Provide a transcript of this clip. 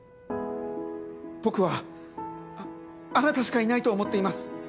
僕はあなたしかいないと思っています。